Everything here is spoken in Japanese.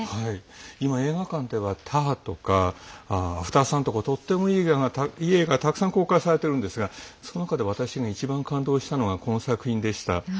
今、映画館では「ＴＡＲ／ター」とか「ａｆｔｅｒｓｕｎ／アフターサン」とかとてもいい映画がたくさん公開されているんですがその中で私が一番感動したのがこの作品でした。